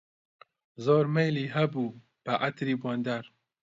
زۆر مەیلی هەبوو بە عەتری بۆندار